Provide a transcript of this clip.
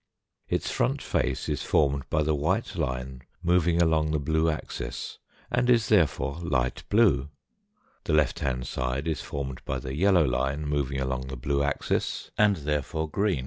Its front face is formed by the white line moving along the blue axis, and is therefore light blue, the left hand side is formed by the yellow line moving along the blue axis, and therefore green.